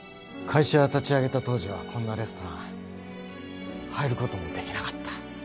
会社立ち上げた当時はこんなレストラン入ることもできなかった。